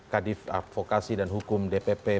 kadif avokasi dan hukum departemen